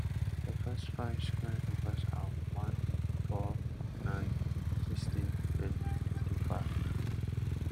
The first five square numbers are one, four, nine, sixteen and twenty-five